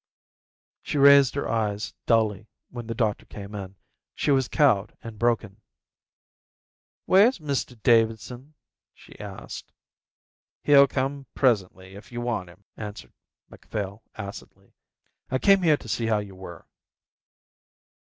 She raised her eyes dully when the doctor came in. She was cowed and broken. "Where's Mr Davidson?" she asked. "He'll come presently if you want him," answered Macphail acidly. "I came here to see how you were."